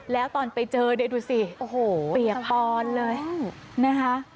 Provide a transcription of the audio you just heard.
แล้วตอนไปเจอเนี่ยดูสิโอ้โหเปียกปอนเลยนะคะ